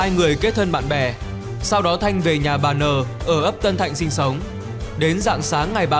hai người kết thân bạn bè sau đó thanh về nhà bà n ở ấp tân thạnh sinh sống đến dạng sáng ngày